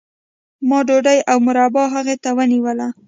ما ډوډۍ او مربا هغې ته ونیوله